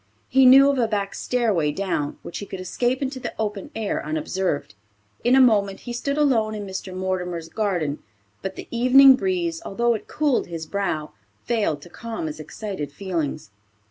He knew of a back stairway down which he could escape into the open air unobserved. In a moment he stood alone in Mr. Mortimer's garden, but the evening breeze, although it cooled his brow, failed to calm his excited feelings.